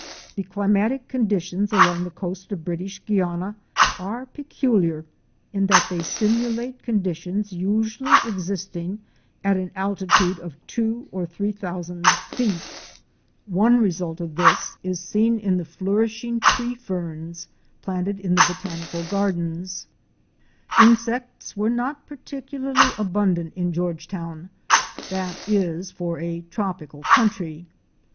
The climatic conditions along the coast of British Guiana are peculiar, in that they simulate conditions usually existing at an altitude of two or three thousand feet. One result of 132 OUR SEARCH FOR A WILDERNESS. this is seen in the flourishing tree ferns planted in the Botani cal Gardens. Insects were not particularly abundant in Georgetown, that is, for a tropical country.